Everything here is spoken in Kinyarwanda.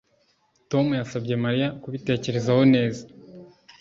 Tom yasabye Mariya kubitekerezaho neza